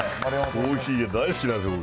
コーヒー、大好きなんですよ、僕。